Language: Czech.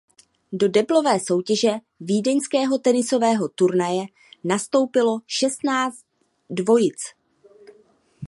Do deblové soutěže vídeňského tenisového turnaje nastoupilo šestnáct dvojic.